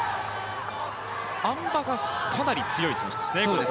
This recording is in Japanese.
あん馬がかなり強い選手ですね。